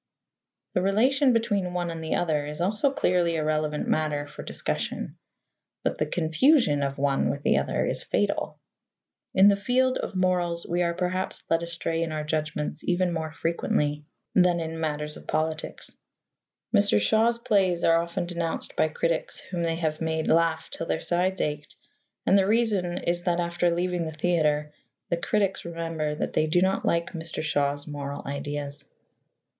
The relation between one and the other is also clearly a relevant matter for discussion. But the confusion of one with the other is fatal. In the field of morals we are perhaps led astray in our judgments even more frequently than in matters of politics. Mr. Shaw's plays are often denounced by critics whom they have made laugh till their sides ached, and the reason is that, after leaving the theatre, the critics remember that they do not like Mr, Shaw's moral ideas.